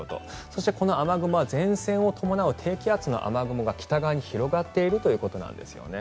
そして、この雨雲は前線を伴う低気圧の雨雲が北側に広がっているということなんですよね。